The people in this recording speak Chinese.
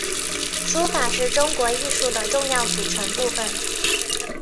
书法是中国艺术的重要组成部份。